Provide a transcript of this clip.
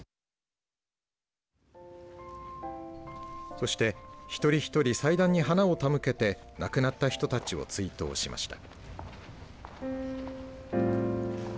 そして一人一人祭壇に花を手向けて亡くなった人たちを追悼しました。